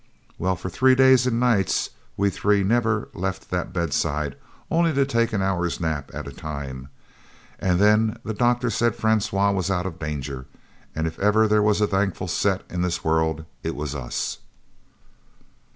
Well for three days and nights we three never left that bedside only to take an hour's nap at a time. And then the doctor said Francois was out of danger and if ever there was a thankful set, in this world, it was us."